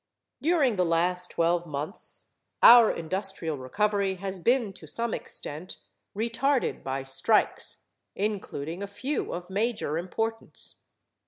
During the last twelve months our industrial recovery has been to some extent retarded by strikes, including a few of major importance.